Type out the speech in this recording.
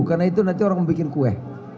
karena itu nanti orang membuat kue